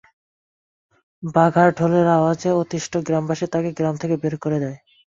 বাঘার ঢোলের আওয়াজে অতিষ্ঠ গ্রামবাসী তাকে গ্রাম থেকে বের করে দেয়।